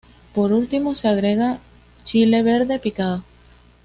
Por último se agrega el chile verde picado.